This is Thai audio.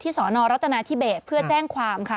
ที่สอนอรัตนาทิเบสเพื่อแจ้งความค่ะ